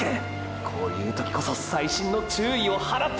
こういう時こそ細心の注意を払って！！